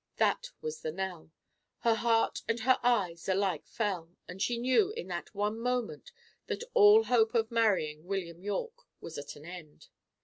That was the knell. Her heart and her eyes alike fell, and she knew, in that one moment, that all hope of marrying William Yorke was at an end.